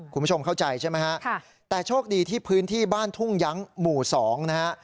คุณผู้ชมเข้าใจใช่ไหมฮะแต่โชคดีที่พื้นที่บ้านทุ่งยั้งหมู่๒นะฮะ